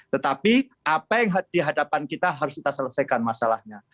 tetapi apa yang di hadapan kita harus kita selesaikan masalahnya